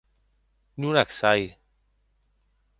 Non ac sai.